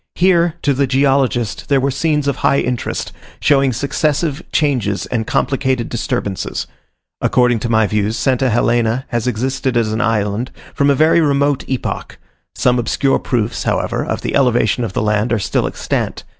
Here, to the geologist, there were scenes of high interest, showing successive changes and complicated disturbances. According to my views, St. Helena has existed as an island from a very remote epoch: some obscure proofs, however, of the elevation of the land are still extant.